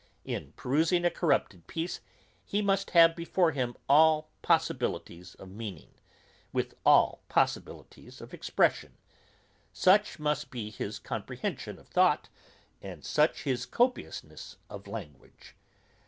In perusing a corrupted piece, he must have before him all possibilities of meaning, with all possibilities of expression. Such must be his comprehension of thought, and such his copiousness of language.